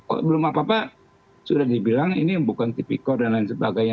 oh belum apa apa sudah dibilang ini bukan tipikor dan lain sebagainya